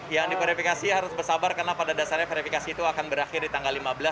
yang diverifikasi harus bersabar karena pada dasarnya verifikasi itu akan berakhir di tanggal lima belas